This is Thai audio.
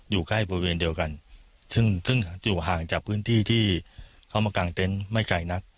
อยู่ใกล้บริเวณเดียวกันซึ่งซึ่งอยู่ห่างจากพื้นที่ที่เข้ามากางเต็นต์ไม่ไกลนัก